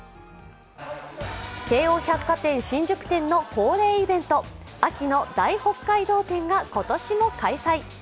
京王百貨店新宿店の恒例イベント、秋の大北海道展が今年も開催。